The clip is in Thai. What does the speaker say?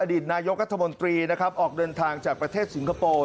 อดีตนายกทมตรีออกเดินทางจากประเทศสินคโปร์